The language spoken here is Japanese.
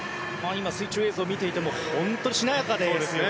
水中映像を見ても本当にしなやかですね